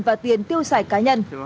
và tiền tiêu sải cá nhân